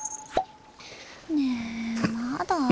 ねえまだ？